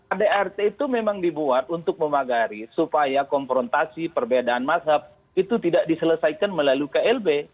adrt itu memang dibuat untuk memagari supaya konfrontasi perbedaan mazhab itu tidak diselesaikan melalui klb